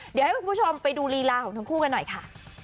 เดี๋ยวให้คุณผู้ชมไปดูลีลาของทั้งคู่กันหน่อยค่ะ